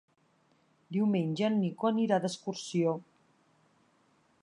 Diumenge en Nico anirà d'excursió.